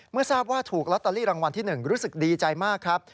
เมื่อทราบว่าถูกลอตเตอรี่รางวัลที่๑รู้สึกดีใจมากครับ